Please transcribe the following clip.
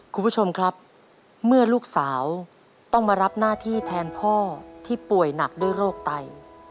คุณผู้ชมครับเมื่อลูกสาวต้องมารับหน้าที่แทนพ่อที่ป่วยหนักด้วยโรคไต